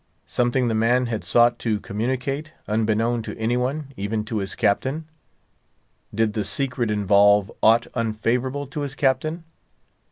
Something the man had sought to communicate, unbeknown to any one, even to his captain. Did the secret involve aught unfavorable to his captain?